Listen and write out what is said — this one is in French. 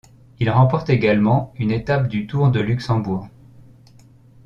Il remporte également une étape du Tour de Luxembourg.